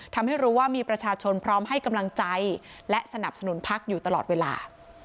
ทำให้รู้ว่ามีประชาชนพร้อมให้กำลังใจและสนับสนุนพักอยู่ตลอดเวลา